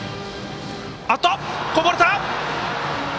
こぼれた！